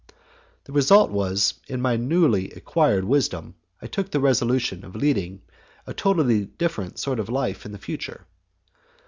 The result was that, in my newly acquired wisdom, I took the resolution of leading a totally different sort of life in future.